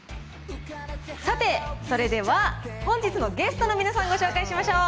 さて、それでは本日のゲストの皆さん、ご紹介しましょう。